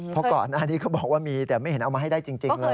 เพราะก่อนหน้านี้เขาบอกว่ามีแต่ไม่เห็นเอามาให้ได้จริงเลย